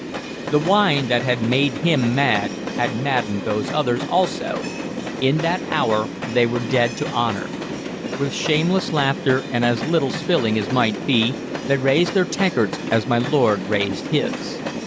The wine that had made him mad had maddened those others, also. In that hour they were dead to honor. With shameless laughter and as little spilling as might be, they raised their tankards as my lord raised his.